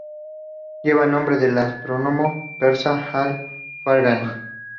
Lleva el nombre del astrónomo persa Al-Farghani.